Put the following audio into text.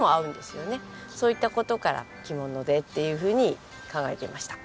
そういった事から着物でっていうふうに考えていました。